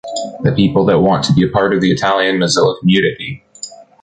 The people that want to be a part of the Italian Mozilla community.